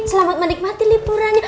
selamat menikmati liburannya